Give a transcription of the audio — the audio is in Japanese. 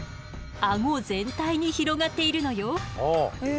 アゴ全体に広がっているのよ。